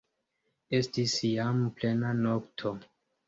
Estis jam plena nokto.